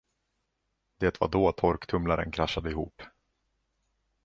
Det var då torktumlaren kraschade ihop.